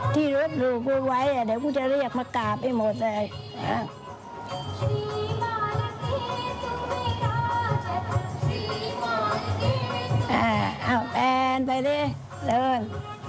ที่รวดลูกก็ไว้อ่ะเดี๋ยวก็จะเรียกมากราบให้หมดเลย